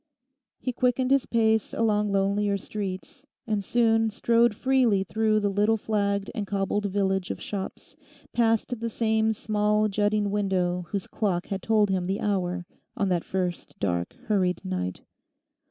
He quickened his pace along lonelier streets, and soon strode freely through the little flagged and cobbled village of shops, past the same small jutting window whose clock had told him the hour on that first dark hurried night.